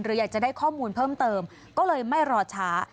อยากจะได้ข้อมูลเพิ่มเติมก็เลยไม่รอช้า